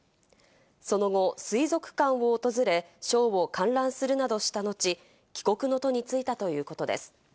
その後、水族館を訪れ、ショーを観覧するなどした後、帰国の途についたということです。